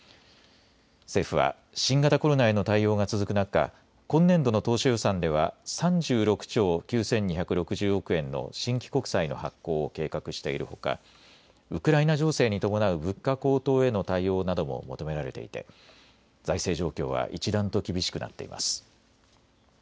政府は、新型コロナへの対応が続く中、今年度の当初予算では、３６兆９２６０億円の新規国債の発行を計画しているほか、ウクライナ情勢に伴う物価高騰への対応なども求められていて、財政状況は一段と厳しくなっています。